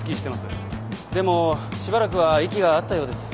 でもしばらくは息があったようです。